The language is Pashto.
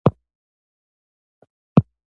لوبیا ځمکه قوي کوي.